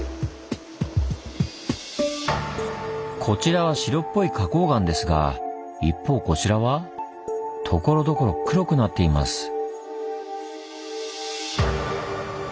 こちらは白っぽい花こう岩ですが一方こちらはところどころ黒くなっています。